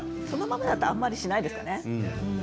そのままだとあんまりしないんですかね。